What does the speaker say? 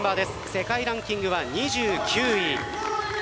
世界ランキングは２９位。